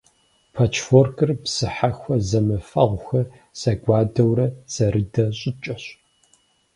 Пэчворкыр бзыхьэхуэ зэмыфэгъухэр зэгуадэурэ зэрыдэ щӏыкӏэщ.